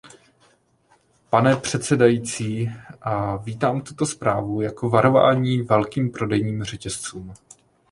Pane předsedající, vítám tuto zprávu jako varování velkým prodejním řetězcům.